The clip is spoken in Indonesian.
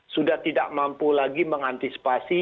sudah tidak mampu lagi mengantisipasi